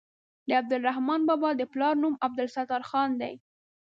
د عبدالرحمان بابا د پلار نوم عبدالستار خان دی.